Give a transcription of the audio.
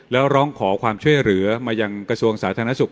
แล้วร้องขอความช่วยเหลือมายังกระทรวงสาธารณสุข